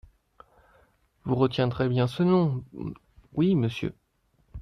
Vous retiendrez bien ce nom ? Oui, monsieur.